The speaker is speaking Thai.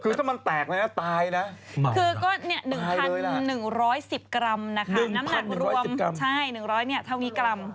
คือถ้ามันแตกแล้วน่ะตายน่ะตายเลยน่ะคือก็๑๑๑๐กรัมน้ำหนักรวม๑๐๐เท่านี้กรัม